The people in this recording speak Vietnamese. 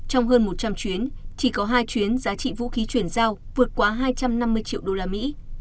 trong hơn một trăm linh chuyến chỉ có hai chuyến giá trị vũ khí chuyển giao vượt quá hai trăm năm mươi triệu đô la mỹ